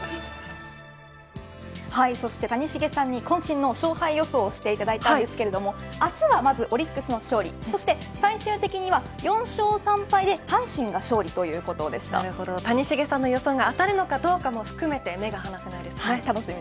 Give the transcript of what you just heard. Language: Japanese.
そして谷繁さんにこん身の勝敗予想をしていただいたんですが明日はまずオリックスの勝利そして最終的には４勝３敗で谷繁さんの予想が当たるのかどうかも含めて目が離せないですね。